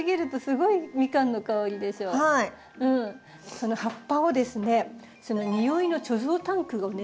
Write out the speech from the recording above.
その葉っぱをですね匂いの貯蔵タンクをね